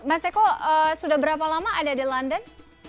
mas eko sudah berapa lama anda di london